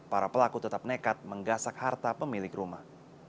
para pelaku tetap nekat menggasak harta pemilik rumah